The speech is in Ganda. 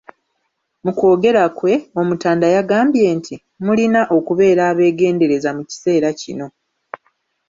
Mu kwogera kwe, Omutanda yagambye nti; "Mulina okubeera abegendereza mu kiseera kino"